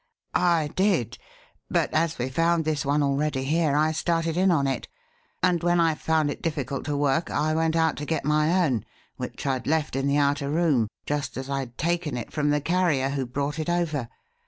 "I did; but as we found this one already here I started in on it; and when I found it difficult to work, I went out to get my own, which I'd left in the outer room, just as I'd taken it from the carrier who brought it over.